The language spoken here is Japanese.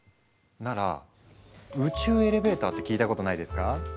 なら宇宙エレベーターって聞いたことないですか？